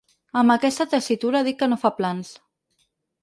Amb aquesta tessitura ha dit que no fa plans.